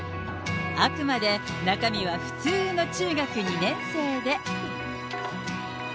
あくまで中身は普通の中学２年生で。